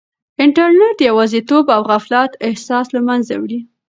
انټرنیټ د یوازیتوب او غفلت احساس له منځه وړي.